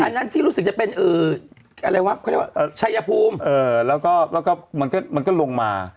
อันนั้นที่รู้สึกจะเป็นอะไรวะเขาเรียกว่าชัยภูมิแล้วก็มันก็ลงมา